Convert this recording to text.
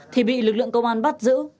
thì bị lực lượng công an bắt giữ